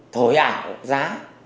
thổi ảo giá